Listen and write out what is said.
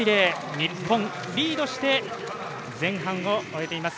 日本、リードして前半を終えています。